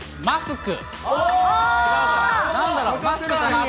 マスク？